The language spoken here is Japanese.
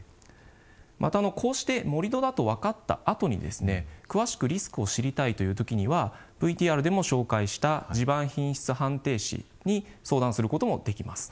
また、こうして盛土だと分かったあとにですね詳しくリスクを知りたいというときにはＶＴＲでも紹介した地盤品質判定士に相談することもできます。